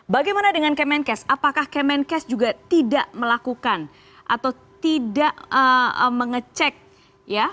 bagaimana dengan kemenkes apakah kemenkes juga tidak melakukan atau tidak mengecek ya